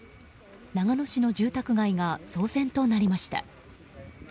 長野市の住宅街が騒然となりました。